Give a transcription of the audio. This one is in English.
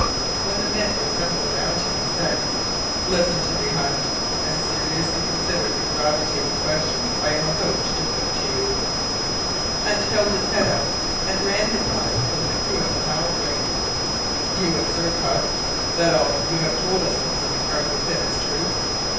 When the men were assembled around him, he said, "Listen to me, Hunt, and seriously consider the gravity of the questions I am about to put to you." Hunt held his head up, and ran his eyes over the crew of the Halbrane. "You assert, Hunt, that all you have told us concerning Arthur Pym is true?"